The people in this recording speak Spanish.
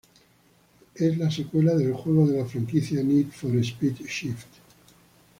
Es la secuela del juego de la franquicia "Need for Speed Shift".